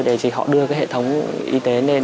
để họ đưa cái hệ thống y tế lên